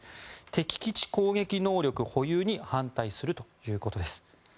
敵基地攻撃能力保有に反対するということです。